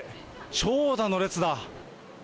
長蛇の列だ。